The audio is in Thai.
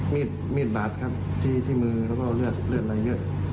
มีมีดบาดครับที่มือแล้วก็เลือดลายเลือด